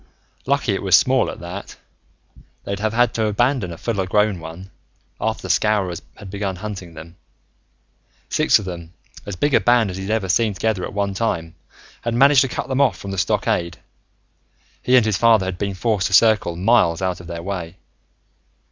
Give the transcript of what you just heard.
Lucky it was small, at that. They'd have had to abandon a full grown one, after the Scowrers had began hunting them. Six of them, as big a band as he'd ever seen together at one time, had managed to cut them off from the stockade. He and his father had been forced to circle miles out of their way.